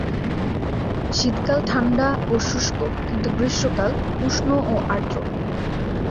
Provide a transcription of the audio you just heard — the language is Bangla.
শীতকাল ঠাণ্ডা ও শুষ্ক, কিন্তু গ্রীষ্মকাল উষ্ণ ও আর্দ্র।